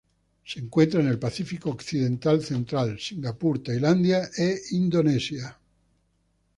Se encuentra en el Pacífico occidental central: Singapur, Tailandia y Indonesia.